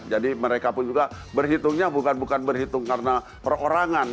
jadi mereka pun juga berhitungnya bukan bukan berhitung karena perorangan